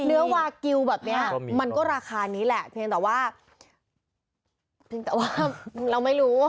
เนื้อวากิลแบบนี้มันก็ราคานี้แหละเพียงแต่ว่าเพียงแต่ว่าเราไม่รู้